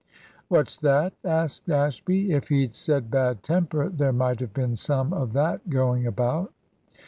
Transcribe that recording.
'" "What's that?" asked Ashby. "If he'd said bad temper, there might have been some of that going about."